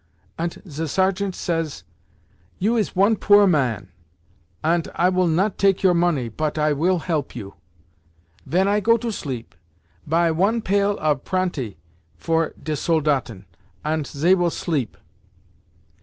"Ant ze sergeant says, 'You is one poor man, ant I will not take your money, pot I will help you. Ven I go to sleep, puy one pail of pranty for ze Soldaten, ant zey will sleep.